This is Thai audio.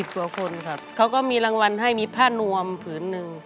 กว่าคนครับเขาก็มีรางวัลให้มีผ้านวมผืนหนึ่ง